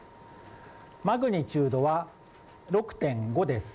マグニチュードは６．５です。